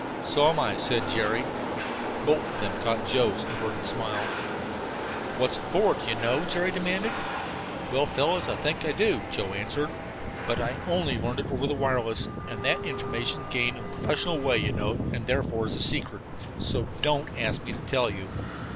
"So am I," said Jerry. Both of them caught Joe's averted smile. "What's it for, do you know?" Jerry demanded. "Well, fellows, I think I do," Joe answered. "But I only learned it over the wireless and that's information gained in a professional way, you know, and therefore secret. So don't ask me to tell you.